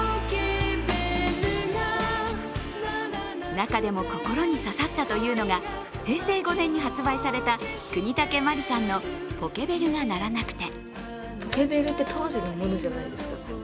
中でも心に刺さったというのが平成５年に発売された国武万里さんの「ポケベルが鳴らなくて」。